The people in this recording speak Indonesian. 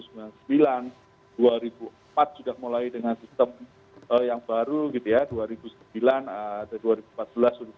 sudah mulai dengan sistem yang baru gitu ya dua ribu sembilan atau dua ribu empat belas